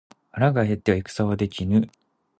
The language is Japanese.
腹が減っては戦はできぬ。